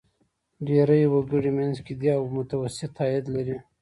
ډېری وګړي منځ کې دي او متوسط عاید لري.